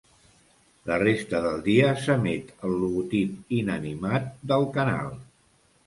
La resta del dia s'emet el logotip inanimat del canal.